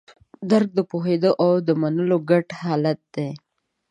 درک د پوهېدو او منلو ګډ حالت دی.